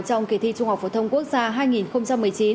trong kỳ thi trung học phổ thông quốc gia hai nghìn một mươi chín